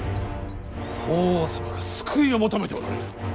法皇様が救いを求めておられる。